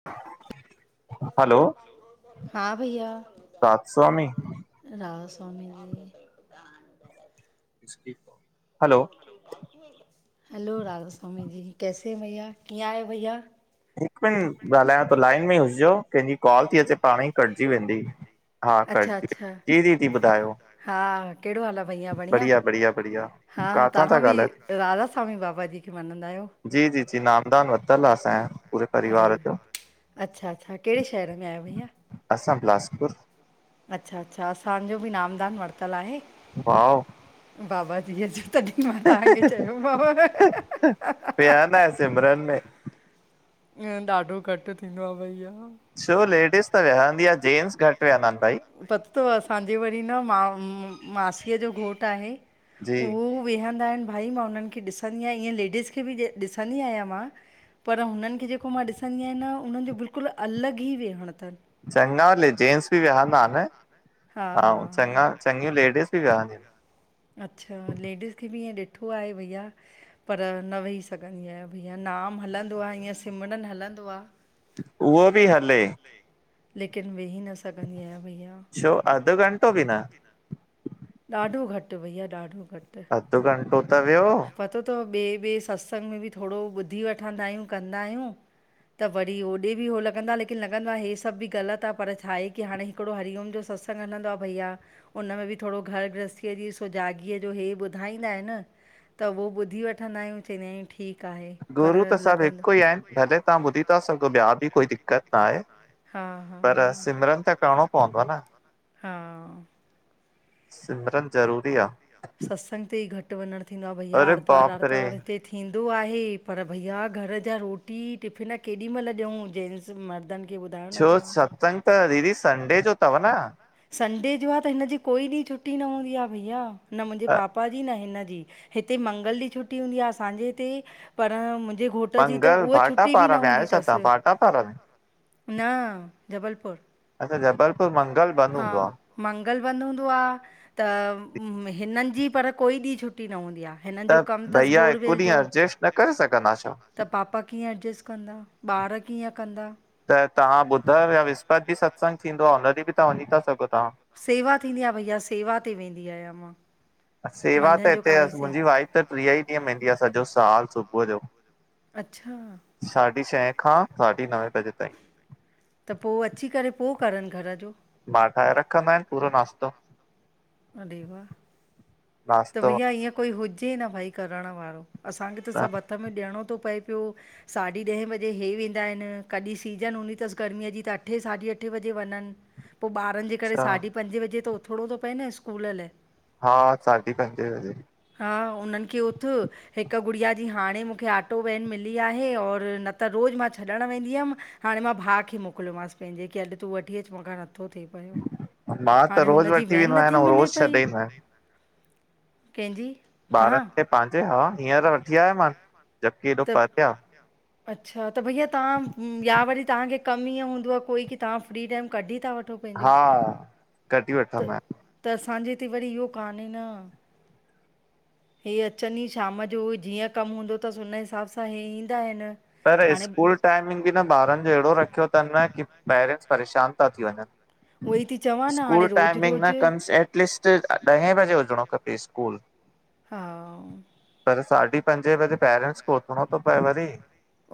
[unintelligible] हलो हा भईया, राधा स्वामी राधा स्वामी जी। स्किप आ हैलो राधा स्वामी जी, कैसे हैं भैया, कीअं आहियो भैया? हिकु मिन्टु ॻाल्हायांव तो, लाइन में हुजिजो कंहिंजी कॉल ती अचे पांणई कटजी वेंदी। हा कट अच्छा जी व, अच्छा जी दीदी ॿुधायो हा कहिड़ो हाल आहे भैया बढ़िया- बढ़िया -बढ़िया। हा काथां था तहां बि ॻाल्हायो राधा स्वामी बाबा जी खे मञंदा आहियो? जी- जी -जी, नामदान वरितल आ असां ॼो अड़ेे, अच्छा -अच्छा कहिड़े शहर में आयो भईया? असां बिलासपुर। अच्छा- अच्छा असांजो बि नामदान वरितल आहे। वाव! बाबा जीअ जो तॾी मां तहांखे चयो मां व। विया न आहे सिमरन में। अं ॾाढो घटि थींदो आ भईया छो लेडिस त विह्यंदी आ जेंट्स घटि विह्यंदा इनि भई त असांजे वरी न मा मासीअ जो घोटु आहे जी उहो वेहंदा इनि भाई, मां उन्हनि खे ॾिसंदी आहियां ईअं लेडीस खे बि ॾिसंदी आहियां मां पर हुननि खे जेको मां ॾिसंदी आहियां न उन्हनि जो बिल्कुलु अलॻि ई वेहंण तनि। चङा ले जेंट्स बि विहंदा आनि, हा ऐं हा चङा हा चङियूं लेडीज़ बि विहंदियूं इनि अच्छा लेडीज़ खे बि ईअं ॾिठो आहे भईया पर न वेही सघंदी आहियां भईया, नाम हलंदो आ हींअं सिमरन हलंदो आ उहो बि हले। लेकिन वेही न सघंदी आहियां भईया। छो, अधु घंटो बि न? ॾाढो घटि भईया ॾाढो घटि। अधु घंटो त वेह्यो। त ॿिए- ॿिए सत्संग में बि थोड़ो ॿुधी वठंदा आहियूं कंदा आहियूं त वरी ओॾे बि हो लॻंदो आ, लेकिन लॻंदो आकि हे सभु बि ग़लति आ पर छाहे की हाणे हिकिड़ो हरिओम जो सत्स संग हलंदो आ भईया, उन में बि थोड़ो घर गृहस्थीअ जी सुजाॻीअ जो हे ॿुधाईंदा इनि त उहो ॿुधी वठंदा आहियूं चइंदा आहियूं ठीकु आहे। पर गुरू त सभु लॻंदो हिकु ई आहिनि, भले तहां ॿुधी ता सघो ॿिया बि कोई दिक्क़त ना हे। हा- हा -हा- पवंदो न हा। सिमरन ज़रूरी आ। सत्संग ते ई घटि वंञंणु थींदो आ भईया अरे आर्तवारु- बाप रे आर्तवार हिते थी थींदो आहे, पर भैया घर जा रोटी टिफ़िन केॾीमल ॾियंउं जेंट्स मर्दनि खे ॿुधायो न छो, तव्हां सत्संग त दीदी संडे जो तव न? संडे जो आ त हिनजी कोई ॾींहुं छुट्टी न हूंदी आ भईया, न मुंजे पापा जी न हिनजी। हिते मंगल ॾींह छुट्टी हूंदी आ असांजे हिते पर मुंजे घोट ट जी त मंगल उह भाटा छुट्टी बि पारा न में हुंदी आहियो छा तव्हां तसि, भाटा पारा में न जबलपुर। अच्छा, जबलपुर मंगल बंदि हा हूंदो आहे मंगल बंद हुंदो आ, त हिननि जी पर कोई ॾींहुं छुट्टी न हुंदी आ। त भैया, हिकु ॾींहुं अर्जेस्ट न करे सघंदा छा? त पापा कीअं एडजस्ट कंदा, ॿार कीअं कंदा? त तहां ॿुधव या विस्पति बि सत्संग थींदो आ, हुन ॾींहुं बि त वंञी था सघो तहां। सेवा थींदी आ भईया, सेवा ते वेंदी आयां मां। सेवा त मंझंदि जो हिते काई से मुंजी वाइफ त ट्रीह ई ॾींहं वेंदी आ सॼो साल सुबुह जो। अच्छा साढी छह खां साढी नवें बजे ताईं। त पो अच्ची करे पो करनि घर जो? मां ठाहे रखंदो आहिंयां, पूरो नास्तो। अ व [inaudible] त नाश्तो भईया ईअं कोई हुजे न भई करण वारो, असांखे त सभु हथ में ॾियणो थो पए पियो। साढी ॾहें बजे इहे वेंदा आहिन। कॾहिं सीज़न हूंदी अथसि गर्मीअ जी त अट्ठे-साढी अट्ठे बजे वंञनि पो ॿारन जे करे अच्छा साढी पंजे बजे त उथिणो थो पए न स्कूल लाए। हा साढी पंजे बजे। हा उन्हनि खे उथ हिक गुड़िया जी हाणे मूंखे ऑटो वैन मिली आहे और न त रोज़ मां छॾणु वेंदी हुयमि। हाणे मां भाउ खे मोकिलियोमांसि पंहिंजे कि अॼु तूं वठी अचु मूंखां नथो थिए। मां त हाणे रोज़ हुनजी, वठी वेंदो वेन नथी आहियां ऐं मिले रोज़ छॾे पई। ईंदो आहियां कैंजी? ॿारनि खे पंहिंजे हा हींअर वठी आयोमांन, जबकि हेॾो त परते आ। अच्छा त भईया तहां या वरी तहांखे कमु ईअं हूंदो आ, कोई कि तहां फ्री टाइम कढी था वठो पंहिंजो, हा कढी त वठंदो आहियां त असांजे हिते वरी इहो कान्हे न। हे अचनि ई शाम जो, जीअं कमु हूंदो अथसि, हुन हिसाब सां हे ईंदा आहिनि। पर हाणे स्कूल टाइमिंग बि न ॿारनि जो अहिड़ो रखियो थनि न कि पेरेंट्स परेशान था थी वञनि। उहो ई थी चवां न स्कूल हाणे रोज़ु टाइमिंग न रोज़ु कन्स, एटलीस्ट ॾह बजे हुजणो खपे स्कूल। हा पर साढी पंजे बजे पेरेंट्स खे उथणो थो पए वरी।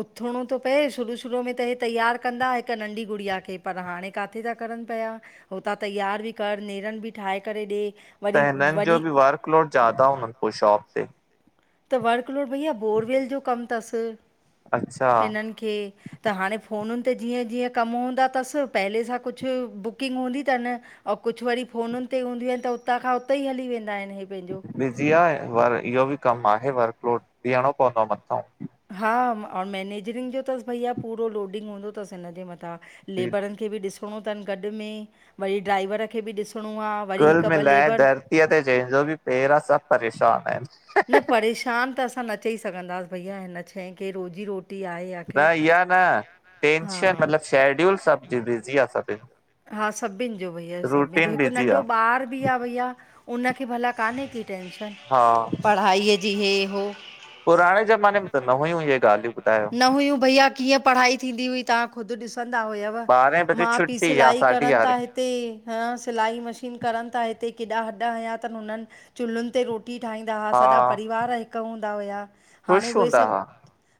उथिणो थो पए, शुरू शुरू में त हीअ तैयारु कंदा हिकु नंढी गुड़िया खे, पर हाणे का काथे था करनि पिया, हुतां तैयार बि कर नेरनि बि ठाहे करे ॾे। वरी त हिननि जो वरी बि वर्कलोड ज्यादा हुजनि पो शॉप ते? त वर्कलोड भईया बोरवेल जो कमु थसि, अच्छा हिननि खे। त हाणे फ़ोनुन ते जीअं जीअं कमु हूंदा थसि, पहले सां कुछु बुकिंग हूंदी थनि ऐं कुछु वरी फ़ोन ते हूंदियूं आहिन, त उतां खां उते ई हली वेंदा आहिन हे पंहिंजो। बिज़ी आ पर इहो बि कमु आहे, वर्कलोड भिंयणो पवंदो आहे मथौं। हा, अऊं मैनेजरिंग जो त भईया पूरो लोडिंग हूंदो अथसि हिनजे मथां। जी लैबरनि खे बि ॾिसणो थनि गॾु में, वरी ड्राइवर खे बि ॾिसणो आ। कुुल मिलाए धरतीअ ते जंहिंजो बि पेर आ, सब परेशान न आहिन। परेशान त असां न चई सघंदासीं भईया हिन शै खे, रोज़ी रोटी आहे। न आख़िर इहा न, हा टेंशन, मतिलब शेड्यूल सब जी बिज़ी आ सभिनी जी। हा सभिन जो भैया, सभिन जो, हिकु बिज़ी नंढो आ। ॿारु पीउ आ भईया, उनखे भला कान्हे की टेंशन? हा पढ़ाईअ जी, हे हो उहो पुराणे ज़माने में त न हुयूं इहे ॻाल्हियूं ॿुधायो। न हुयूं भईया, कीअं पढ़ाई थींदी हुई, तहां ख़ुद ॾिसंदा हुयव। ॿारहें बजे माउ पीउ छुटी या सिलाई साढी करनि था। यारहें हिते हिते हं सिलाई मशीन करनि ता हिते केॾा हॾ हयां तनि हुननि, चुल्हनि ते रोट रोटी ठाहींदा हा, सॼा परिवार हिकु हूंदा हुया। हाणे ख़ुश उहे हूंदा हा? सभु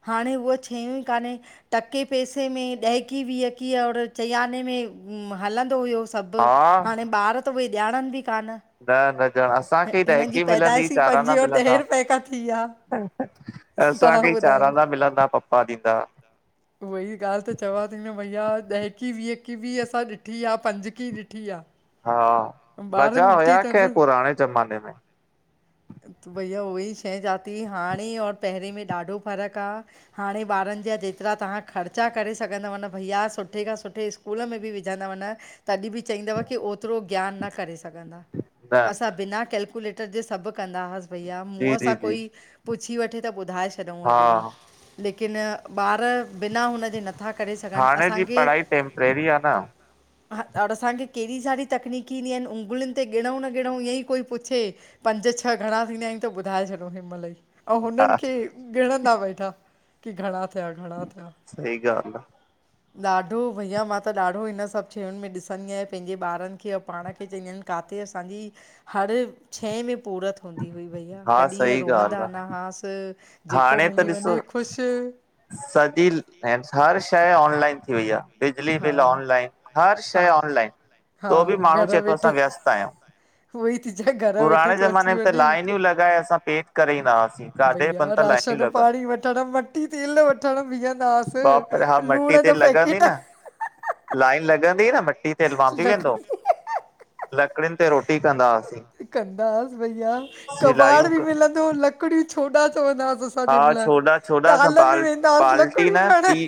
हाणे उह शयूं ई कान्हे, टके पैसे में ॾहकी वीहकी और चईंयाने में हलंदो हुयो, सभु, हा हाणे ॿार त उहे ॼाणनि बि कान, न न ॼाण, असांखे ई हिननि जी ॾहिकी मिलंदी ई, पैदाइश चाराना पंजे और ॾहें मिलंदा। रुपए खां थी आहे तव्हां असांखे ई ॿुधायो चारांना मिलंदा पप्पा ॾींदा। उहो ई ॻाल्हि त चवां ती न भईया, ॾहकी वीहकी बि असां ॾिठी आ, पंजकी ॾिठी आ। हा, मज़ा हुया खैर अथनि पुराणे ज़माने में। त भईया उहो ई शइ चवां ती, हाणे और पहिरें में ॾाढो फ़र्क़ु आ। हाणे ॿारनि जा जेतिरा तव्हां ख़र्चा करे सघंदव न भईया सुठे खां सुठे स् स्कूल में बि विझंदव न, तॾहिं बि चईंदव की ओतिरो ज्ञान न करे सघंदा, न असां बिना कैेल्कुलेटर जे सभु कंदा हासीं। भईया जी मूंंहुं जी सां जी कोई पुछी वठे त ॿुधाए छॾिऊं हा अॼु बि लेकिन ॿार बिना हुनजे नथ नथा करे सघ हाणे जी पढ़ाई टैम्परेरी आ न, हा अ, असांखे कहिड़ी सारी तकनीकी ईंदियूं आहिनि। उंगलियुनि ते गिणऊं न गिणऊं ईअं ईं कोई पुछे, पंज छह घणा थींदाइन त ॿुधाए छॾो ओॾीमहिल ई। अउं हुननि हा खे ॻिणंदा वेठा कि घणा थिया, घणा थिया? सही ॻाल्हि आ। ॾाढो भैया, मां त ॾाढो हिन सभु शयुनि में ॾिसंदी आहियां पंहिंजे ॿारनि खे या पाण खे चईंदीइन काथे असांजी हर शइ में पूरत हूंदी हुई भईया, आ कॾीं हा ईयं सही ॻाल्हि रोअंदा आ न हास, जेको हाणे त मिली वञे ॾिसो ख़ुशि सॼी, हर शइ ऑनलाइन थी वई आ। बिजली हा बिल ऑनलाइन, हर हा शइ ऑनलाइन, हा तो बि माण्हू घर चए तो असां वेठे व्यस्त आहियूं। उहोई ती चेॻा पुराणे ज़माने में त लाइनियूं लॻाए, असां पेढ करे ईंदास। भईया राशन पाणी वठणु, मट्टी तेल वठणु बीहंदास, बाप रे हा मटी लूण ते जो लॻंदी पैकेट न लाइन लॻंदी न मट्टी तेल मां भी वेंदोम लकड़ी लकड़िनि ते रोटी कंदासीं। कंदास, भईया कबाड़ बि मिलंदो लकड़ियूं छोॾा चवंदास, हा छोॾा -छोॾा असां बाल, हुआसीं बाल्टी लकड़ियूं न खणण। ॿी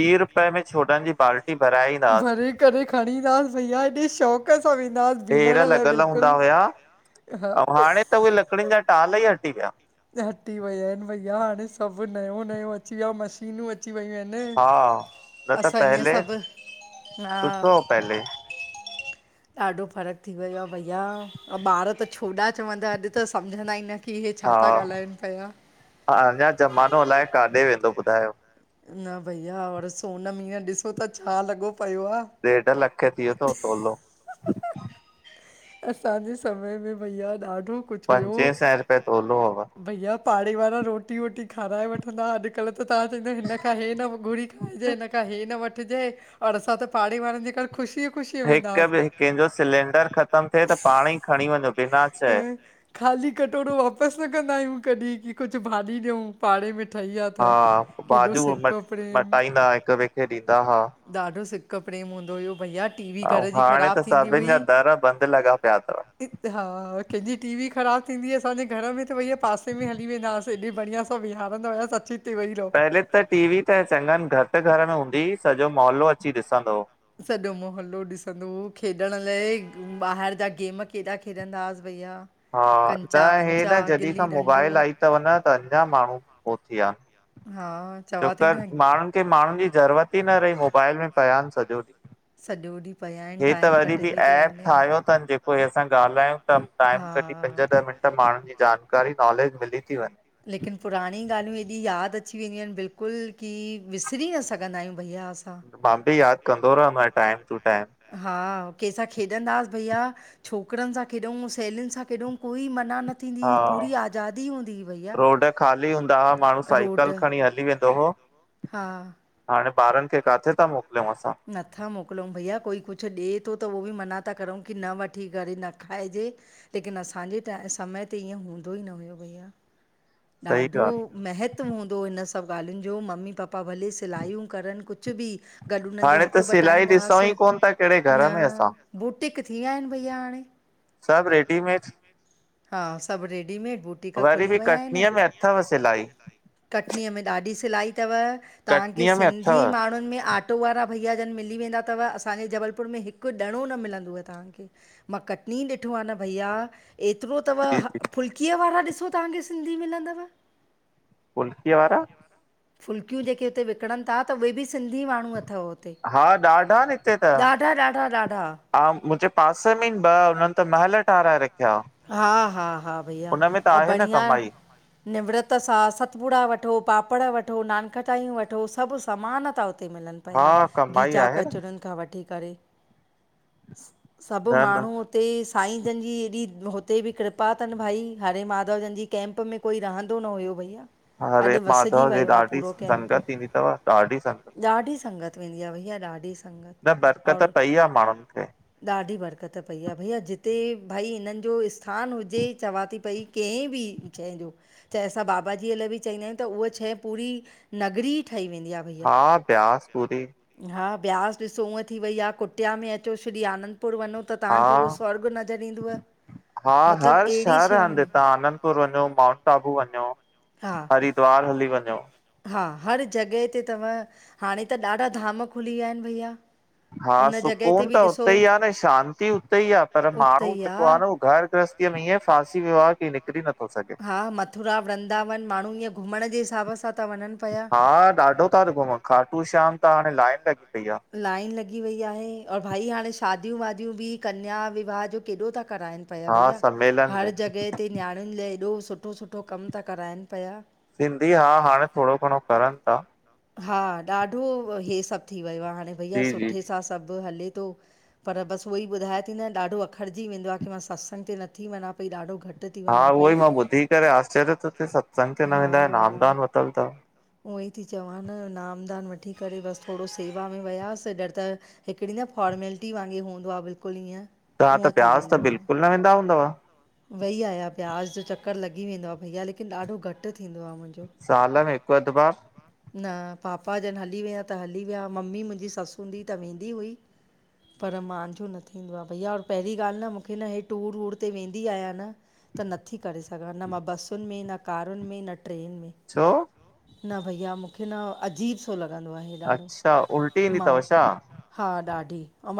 ॿी रुपये में छोॾनि जी बाल्टी भराए ईंदासीं। भरे करे खणी ईंदास भईया एॾे शौक़ु क सां वेंदास भिनण ढेर लाइ लॻल हूंदा बिलकुलु, हुया हा ऐं हाणे त उहे लकड़िनि जा टाल ई हटी विया। हटी विया आहिनि, भईया हाणे सभु नयों नयों अची वियो, मश शीनूं अची वियूं हा। आहिनि। न त असां ईअं पहले सभु, हा सुठो हो पहले ॾाढो फ़र्कु थी वियो आ भईया, ॿार त छोॾा चवंदा अॼु त सम्झंदा ई न। कि हे छा ता ॻाल्हाइनि पिया। हा अञा ज़मानो अलाए काॾे वेंदो? ॿुधायो न भईया और सोनम हीअं ॾिसो त छा लॻो पयो आ। ॾेढ लख थी वियो अथव तोलो। असांजे समय में भईया ॾाढो कुझु हुयो पंजे सैए रुपये तोलो होव। भैया पाड़े वारा रोटी वोटी खाराए वठंदा। अॼु कल्ह त तव्हां चोदह, हिन खां हे न घुरी खाइजे, हिन खां हे न वठिजे ओर असां त पाड़े वारनि जे घर ख़ुशी हिक ॿि कंहिंजो सिलेंडर ख़तमु थिए त पाण ई खणी वञो बिना चए। ऐं ख़ाली कटोरो वापसि न कंदा आहियूं। कॾहिं की कुझु भाॼी ॾियूं। पाढ़े में ठही आहे तां हा केॾो भाॼियूं म सिक प्रेम। मटाईंदा हिक ॿिए खे ॾींदा हा ॾाढो सिक प्रेम हूंदो हुयो भईया। ऐं हाणे त सभिनि जा दर बंद लॻा पिया तव। हा कंहिंजी टी वी ख़राबु थींदी असांजे घर में त भईया पासे में हली वेंदास। हेॾी बढ़या सां बिहारंदो सची तवई पहले त टीवी त चङनि घटि घर में हूंदी हुई सॼो मौहलो अची ॾिसंदो सॼो मोहल्लो ॾिसंदो हो खेॾण लाइ ॿाहिरि जा गेम केॾा खेॾंदा हास भईया। हा त, हे न जॾहिं खां डंडो मोबाइल आई तव न त अञा माण्हू पचीया आहिनि। हा। चवां छोक थी न माण्हुनि खे माण्हुनि जी ज़रूरत ई न रही मोबाइल में पया आनि सॼो ॾींहुं सॼो ॾींहुं पया हे त वरी बि ऐप ठाहियो तन जेको हे। असां ॻाल्हायूं ता। टाइम हा कढी पंज ॾह मिंट माण्हुनि जी जानकारी नॉलेज मिली थी वञे। लेकिन पुराणी ॻाल्हियूं एॾी यादि अची वेंदियूं आनि। बिल्कुलु की विसरी न सघंदा आहियूं भईया असां। मां बि यादि कंदो रहंदो आहियां टाइम टू टाइम। हा कंहिंसां खेॾंदासीं भईया। छोकिरनि सां केॾियऊं सहेलीयुनि सां केॾूंं कोई मना न थींदी हुई हा पूरी आज़ादी हूंदी हुई। भैया रोड खाली हूंदा हुआ माण्हू साइकल रोड खणी हली वेंदो हो। हा हाणे ॿारनि खे काथे ता मोकिलियूं असां। नथा मोकिलूं भईया कोई कुछु ॾिए थो त उहो बि मना था करूं की न वठी करे न खाइजे। लेकिन असांजे टा समय ते ईअं हूंदो ई न हुयो भईया। सही ॾाढो। ॻाल्हि महत्वु हूंदो हिन सभु ॻाल्हियुनि जो मम्मी पप्पा भले सिलायू करनि कुछु भी। गॾु हुननि जो हाणे हथ त सिलाई ॾिसूं बटाईंदासीं ई कोन था कहिड़े घर न, में असां बुटीक थी विया आहिनि भईया हाणे। सभु रेडीमेड। हा। सभु रेडीमेड बुटीक वरी खुली बि वया हिन्। कटनीअ में अथव सिलाई। कटनीअ में ॾाढी सिलाई तव तव्हांखे कटनीअ में सिंधी अथव माण्हुनि में आट ऑटो वारा भईया जन मिली वेंदा तव। असांजे जबलपुर में हिकु ॾणो न मिलंदोव तव्हांखे। मां कटिनी ॾिठो आ न भईया। एतिरो तव जी ह जी फुल्कीअ वारा ॾिसो तव्हांखे सिंधी मिलंदव। पुल्के वारा? फुल्कियूं जेके हुते विकिणनि था त उहे बि सिंधी माण्हू अथव। हुते हा। ॾाढा आनि हिते त। ॾाढा ॾाढा ॾाढा हा। मुंहिंजे पासे में ही इन ॿ हुननि त महल ठाराए रखिया। हा। हा, हा भइया हुन में त ओ आहे न बढ़िया। कमाई निवृत सां सतपुड़ा वठो पापड़ वठो नानकटाययूं वठो सभु समान था। हुते मिलन हा पिया कमाई गीचा आहे न कचरियुनि खां वठी करे। सभु न न माण्हू हुते साईं जन जी एॾी हुते बि कृपा तनि भाई, हरे माधव जन जी कैंप में कोई रहंदो न हुयो भईया। हरे अॾु वसजी माधव जी वियो आ ॾाढी पूरो कैम्प, संगत ईंदी अथव ॾाढी संगत ॾाढी संगत वेंदी आ भैया ॾाढी। संगत न बरकत और पई आ माण्हुनि खे। ॾाढी बरकत पई आ भईया, जिते भई हिनन जो स्थानु हुजे चवां थी पई केंहिं बि शइ जो चाहे असां बाबाजीअ लाइ बि चवंदा आयूं त उहा शइ पूरी नगरी ठही वेंदी आ। हा ब्यास पूरी हा ब्यास ॾिसो उअं थी वई आ कुटिया में अचो श्री आनंदपुर वञो। त हा तहांखे उहो स्वर्ग नज़र ईंदव। हा मतिलबु हर अहिड़ी शहर शयुनि हंधि में हितां आनंदपुर वञो माउंट आबू वञो। हा, हरिद्वार हली वञो। हा हर जॻै ते तव, हाणे त ॾाढा धाम खुली वया आहिन भईया। हा सुकून त उते ई आ न शांती उते ई आ पर उते माण्हू ई जेको आहे आ न उहो घर गृहस्थी में इएं फांसी वियो आ की निकिरी नथो सघे। हा मथुरा वृंदावन माण्हू ईअं घुमण जे हिसाब सां ता वञन पया। हा ॾाढो था घुमन, खाटू श्याम त हाणे लाइन लॻी पई आ। लाइन लॻी वई आहे और भई हाणे शादियु वादियूं बि कन्या विवाह जो केॾो ता कराइन। पया हा भईया, सम्मेलन हर में जॻह ते नायाणियुन लाए हेॾो सुठो सुठो कम ता कराइन पया। सिंधी हा हाणे थोड़ो घणो करन ता। हा ॾाढो हे सभ थी वयो आ, हाणे भईया जी जी सुठे सां सभ हले तो। पर बस उहो ई ॿुधाए थी न ॾाढो अख़रजी वदो आ की मां सतसंग ते नथी वञा पई ॾाढो घट हा उहो ई मां ॿुधी करे आश्चर्य तो थे सत्संग ते न वेंदा आयो, नामदान वतल तव। उअं ई ती चवां न नामदान वठी करे बस थोड़ो सेवा में वियास ॼर त हिकड़ी न फॉर्मेलिटी वांगे हूंदो आ बिल्कुल ईअं। ताहां त उअं ब्याज त बिल्कुल न वेंदा हूंदव? वेई आया, ब्यास जो चक्कर लॻी वेंदो आ भईया लेकिन ॾाढो घट थींदो आ मुंजो। साल में हिक अध बार? न पापा जन हली वया त हली वया मम्मी मुंजी सस हूंदी त वेंदी हुई। पर मांजो न थींदो आ भईया और पहरीं ॻाल न मूंखे न हे टूर वूर ते वेंदी आयां न त नथी करे सघां न मां बसुन में न कारुन में न ट्रेन में। छो? न भईया मूंखे न अजीब ठो लॻंदो आहे। ॾाढो अच्छा, उल्टी ईंदी मां तव छा? हा ॾाढी औ मां